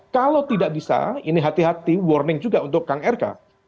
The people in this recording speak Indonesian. kalau tidak bisa ini hati hati warning juga untuk kang rk